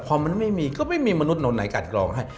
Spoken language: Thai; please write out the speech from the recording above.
พอมันไม่มีก็ไม่มีมนุษย์ไหนกัดกรองให้